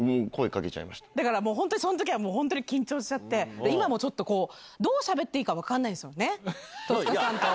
だからもう本当にそのときは本当に緊張しちゃって、今もちょっとこう、どうしゃべっていいか分からないんですよね、戸塚さんと。